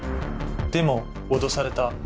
でも脅された。